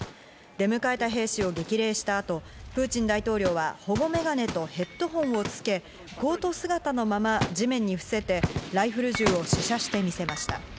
出迎えた兵士を激励したあと、プーチン大統領は保護メガネとヘッドホンをつけ、コート姿のまま地面に伏せて、ライフル銃を試射して見せました。